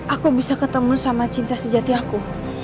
aku bisa ketemu sama cinta sejati aku